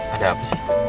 ada apa sih